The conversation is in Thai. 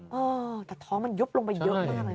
อ้อวแต่ท้องมันยุบลงมาเยอะมากเลยนะคะ